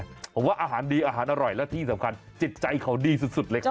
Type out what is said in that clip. ผมว่าอาหารดีอาหารอร่อยและที่สำคัญจิตใจเขาดีสุดเลยครับ